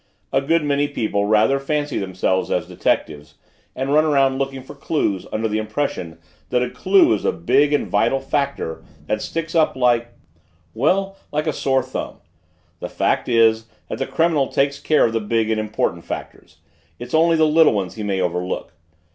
"A good many people rather fancy themselves as detectives and run around looking for clues under the impression that a clue is a big and vital factor that sticks up like well, like a sore thumb. The fact is that the criminal takes care of the big and important factors. It's only the little ones he may overlook.